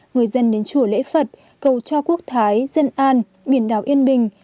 người dân đến chùa lễ phật cầu cho quốc thái dân an biển đảo yên bình